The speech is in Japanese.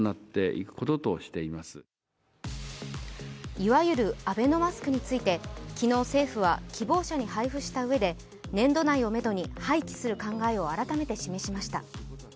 いわゆるアベノマスクについて昨日、政府は希望者に配布したうえで、年度内をめどに廃棄する考えを改めて示しました。